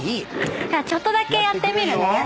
ちょっとだけやってみるね。